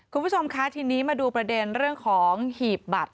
คุณผู้ชมคะทีนี้มาดูประเด็นเรื่องของหีบบัตร